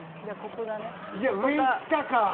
上いったか。